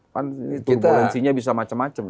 kan turbulensinya bisa macam macam